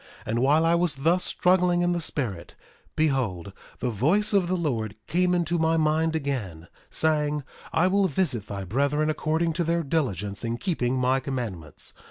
1:10 And while I was thus struggling in the spirit, behold, the voice of the Lord came into my mind again, saying: I will visit thy brethren according to their diligence in keeping my commandments.